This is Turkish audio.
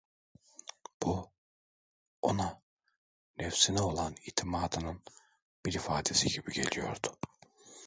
Bu, ona nefsine olan itimadının bir ifadesi gibi geliyordu.